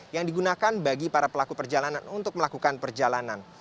yang digunakan bagi para pelaku perjalanan untuk melakukan perjalanan